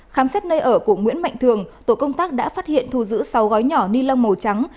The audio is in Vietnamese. khám xét nơi ở của nguyễn mạnh thường tổ công tác đã phát hiện thu giữ sáu gói nhỏ ni lông màu trắng